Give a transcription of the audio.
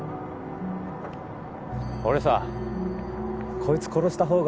俺さこいつ殺したほうが